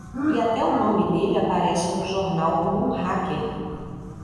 E até o nome dele aparece no jornal como um hacker.